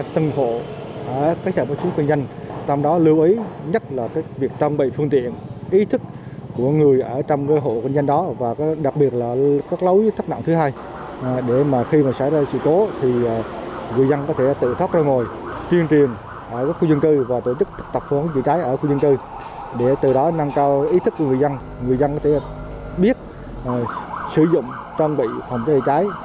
từ đó nâng cao ý thức của người dân người dân có thể biết sử dụng trang bị phòng cháy chữa cháy